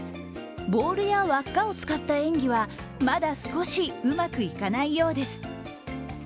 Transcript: ボールや輪っかを使った演技はまだ少しうまくいかないようです。